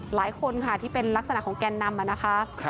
หลายคนค่ะที่เป็นลักษณะของแกนนำนะคะ